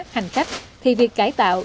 hành khách thì việc cải tạo